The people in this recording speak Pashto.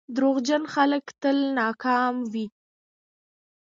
• دروغجن خلک تل ناکام وي.